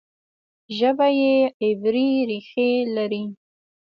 ژبه یې عبري ریښې لري.